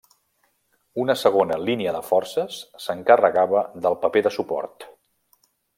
Una segona línia de forces s'encarregava del paper de suport.